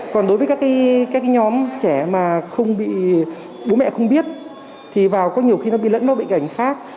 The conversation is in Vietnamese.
còn đối với các nhóm trẻ mà không bị bố mẹ không biết thì vào có nhiều khi nó bị lẫn vào bệnh cảnh khác